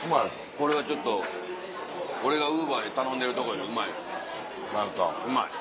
これはちょっと俺がＵｂｅｒで頼んでるとこよりうまいうまい。